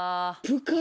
プカ？